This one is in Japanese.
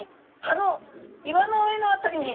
あの岩の上の辺りに。